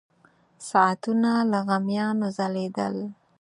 ساعتونه له غمیانو ځلېدل.